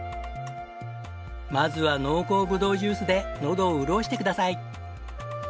まずは濃厚ぶどうジュースでのどを潤してください。